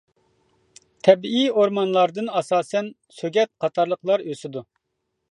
تەبىئىي ئورمانلاردىن ئاساسەن سۆگەت قاتارلىقلار ئۆسىدۇ.